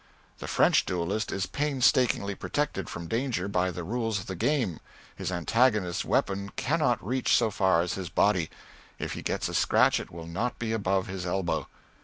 The French duellist is painstakingly protected from danger, by the rules of the game. His antagonist's weapon cannot reach so far as his body; if he get a scratch it will not be above his elbow.